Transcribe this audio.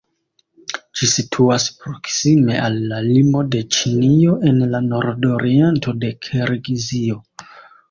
Ĝi situas proksime al la limo de Ĉinio en la nordoriento de Kirgizio.